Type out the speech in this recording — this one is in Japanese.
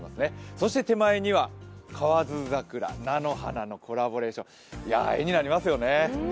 そして手前には河津桜菜の花のコラボレーションいや、絵になりますよね。